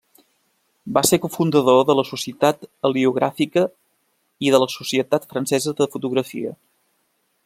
Va ser cofundador de la Societat Heliogràfica i de la Societat Francesa de Fotografia.